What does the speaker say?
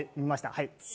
はい。